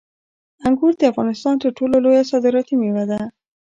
انګور د افغانستان تر ټولو لویه صادراتي میوه ده.